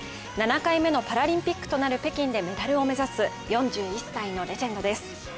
７回目のパラリンピックとなる北京でメダルを目指す４１歳のレジェンドです。